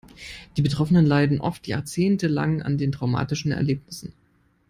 Die Betroffenen leiden oft jahrzehntelang an den traumatischen Erlebnissen.